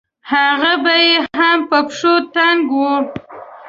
هغه به يې هم په پښو تنګ وو.